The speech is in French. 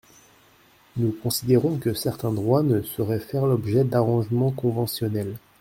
Nous considérons que certains droits ne sauraient faire l’objet d’arrangements conventionnels.